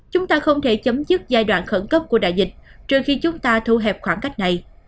chúng ta không thể chấm dứt giai đoạn khẩn cấp của đại dịch trước khi chúng ta thu hẹp khoảng cách này